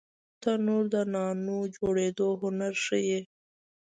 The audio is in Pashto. تنور د نانونو جوړېدو هنر ښيي